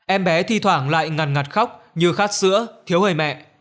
em bé thi thoảng lại ngàn ngặt khóc như khát sữa thiếu hời mẹ